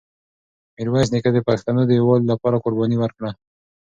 میرویس نیکه د پښتنو د یووالي لپاره قرباني ورکړه.